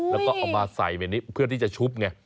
แล้วก็เอามาใส่แบบนี้เพื่อที่จะชุบไง